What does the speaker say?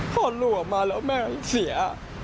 พอหนูออกมาแล้วแม่เสีย